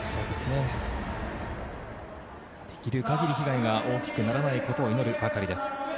できる限り被害が大きくならないことを祈るばかりです。